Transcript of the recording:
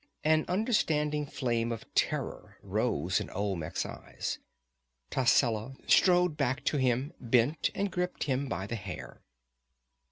An understanding flame of terror rose in Olmec's eyes. Tascela strode back to him, bent and gripped him by the hair.